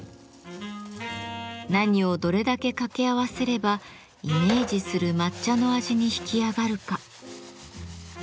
何をどれだけ掛け合わせればイメージする抹茶の味に引き上がるか。